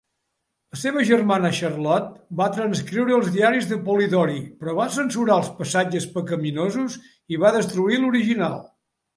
La seva germana Charlotte va transcriure els diaris de Polidori, però va censurar els "passatges pecaminosos" i va destruir l'original.